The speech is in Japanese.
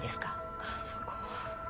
あそこは。